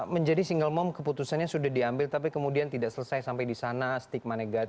menjadi single mom keputusannya sudah diambil tapi kemudian tidak selesai sampai di sana stigma negatif